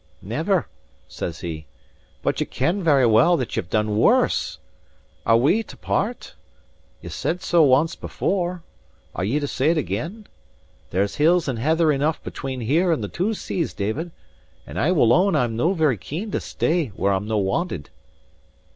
"Never," says he; "but ye ken very well that ye've done worse. Are we to part? Ye said so once before. Are ye to say it again? There's hills and heather enough between here and the two seas, David; and I will own I'm no very keen to stay where I'm no wanted."